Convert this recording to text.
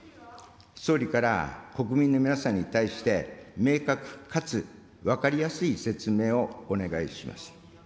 総理から国民の皆さんに対して、明確かつ分かりやすい説明をお願いします。